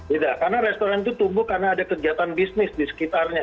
tidak karena restoran itu tumbuh karena ada kegiatan bisnis di sekitarnya